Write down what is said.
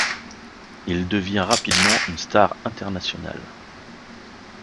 Il devient rapidement une star internationale.